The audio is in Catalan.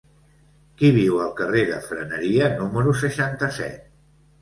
Qui viu al carrer de Freneria número seixanta-set?